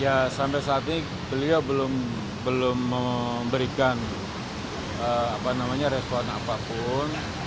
ya sampai saat ini beliau belum memberikan respon apapun